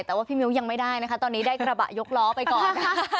แต่ว่าพี่มิ้วยังไม่ได้นะคะตอนนี้ได้กระบะยกล้อไปก่อน